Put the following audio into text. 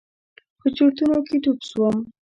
په چورتونو کښې ډوب سوم.